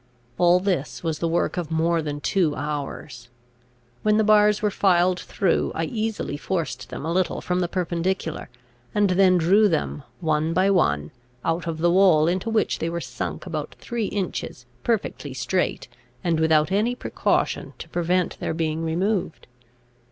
All this was the work of more than two hours. When the bars were filed through, I easily forced them a little from the perpendicular, and then drew them, one by one, out of the wall, into which they were sunk about three inches perfectly straight, and without any precaution to prevent their being removed.